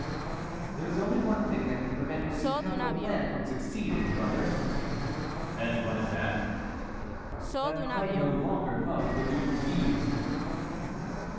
"There is only one thing that can prevent this capital plan from succeeding, brother." "And what is that?" "That I no longer love the Duc de Guise."